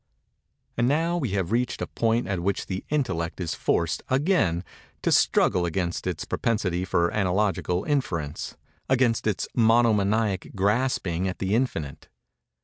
And now we have reached a point at which the intellect is forced, again, to struggle against its propensity for analogical inference—against its monomaniac grasping at the infinite.